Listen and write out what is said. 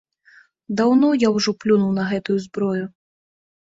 Даўно я ўжо плюнуў на гэтую зброю.